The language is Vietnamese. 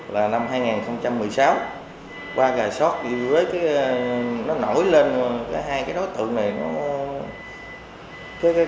là năm hai nghìn một mươi sáu qua gà sót nó nổi lên hai cái đối tượng này